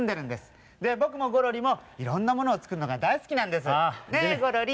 ぼくもゴロリもいろんなものをつくるのがだいすきなんです。ねゴロリ？